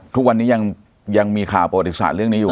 ทุกวันนี้ยังมีข่าวประวัติศาสตร์เรื่องนี้อยู่